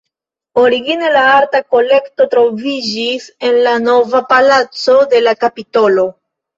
Origine la arta kolekto troviĝis en la "Nova Palaco" de la Kapitolo.